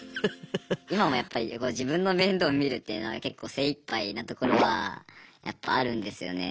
今もやっぱり自分の面倒見るっていうのが結構精いっぱいなところはやっぱあるんですよね。